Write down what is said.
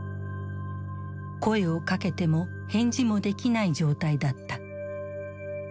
声をかけても返事もできない状態だった。